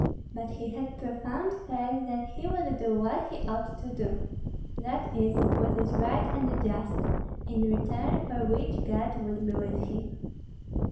But he had profound faith that he would do what he ought to do, that is, what is right and just, in return for which God would be with him.